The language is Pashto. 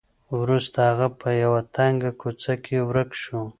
وروسته هغه په یوه تنګه کوڅه کې ورک شو.